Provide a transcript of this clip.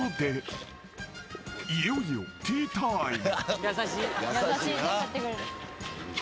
［いよいよティータイム］